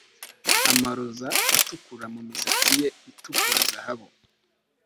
Amaroza atukura mumisatsi ye itukurazahabu